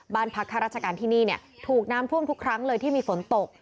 บ้านพักข้าราชการที่นี่ถูกน้ำท่วมทุกครั้งเลยที่มีฝนตก